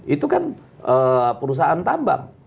itu kan perusahaan tambang